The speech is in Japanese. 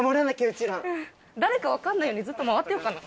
誰か分かんないようにずっと回ってようかな。